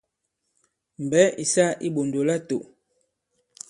Mbɛ̌ ì sa i iɓòndò latō.